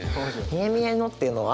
「みえみえの」っていうのは？